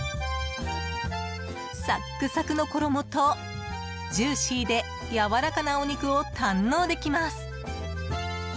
サックサクの衣とジューシーでやわらかなお肉を堪能できます。